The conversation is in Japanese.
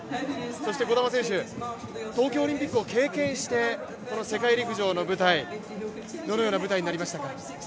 そして兒玉選手、東京オリンピックを経験してどのような舞台になりましたか？